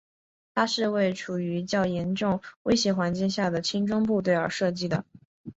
它是为处于较严重威胁环境下的轻装部队而设计的。